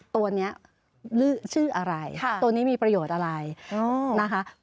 ตัวนี้ชื่ออะไรตัวนี้มีประโยชน์อะไรนะคะ